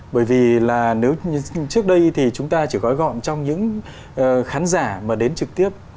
bởi vì là nếu trước đây thì chúng ta chỉ gói gọn trong những khán giả mà đến trực tiếp